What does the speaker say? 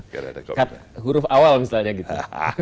kalau huruf awal misalnya gitu